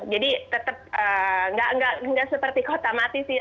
jadi tetap tidak seperti kota mati sih